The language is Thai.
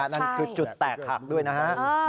นั่นคือจุดแตกหักด้วยนะฮะ